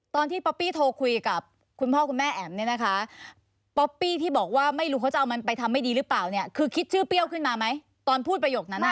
ตอนที่ป๊อปปี้โทรคุยกับคุณพ่อคุณแม่แอ๋มเนี่ยนะคะป๊อปปี้ที่บอกว่าไม่รู้เขาจะเอามันไปทำไม่ดีหรือเปล่าเนี่ยคือคิดชื่อเปรี้ยวขึ้นมาไหมตอนพูดประโยคนั้นอ่ะ